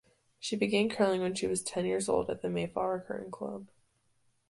She began curling when she was ten years old at the Mayflower Curling Club.